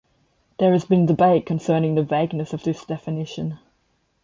There has been debate concerning the vagueness of this definition.